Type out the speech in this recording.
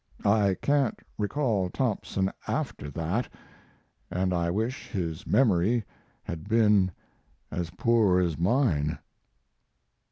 I can't recall Thompson after that, and I wish his memory had been as poor as mine.